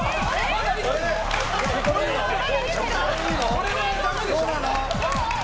これはダメでしょ。